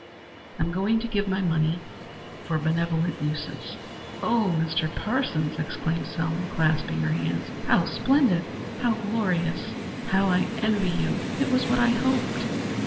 I'm going to give my money for benevolent uses." "Oh, Mr. Parsons," exclaimed Selma, clasping her hands, "how splendid! how glorious! How I envy you. It was what I hoped."